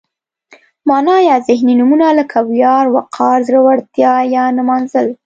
معنا یا ذهني نومونه لکه ویاړ، وقار، زړورتیا یا نمانځل.